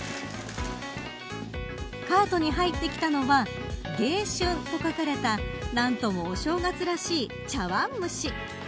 カートに入ってきたのは迎春と書かれた何ともお正月らしい茶わん蒸し。